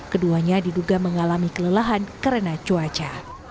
keduanya diduga mengalami kelelahan karena cuaca